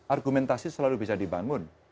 argumentasi selalu bisa dibangun